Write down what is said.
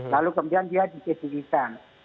lalu kemudian dia di kdikan